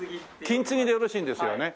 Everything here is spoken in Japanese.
「きんつぎ」でよろしいんですよね。